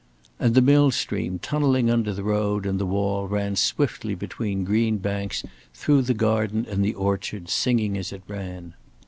And the mill stream tunneling under the road and the wall ran swiftly between green banks through the garden and the orchard, singing as it ran.